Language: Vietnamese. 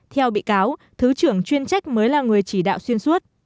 theo bị cáo thứ trưởng chuyên trách mới là người chỉ đạo xuyên suốt